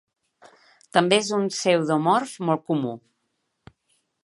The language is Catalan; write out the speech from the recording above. També és un pseudomorf molt comú.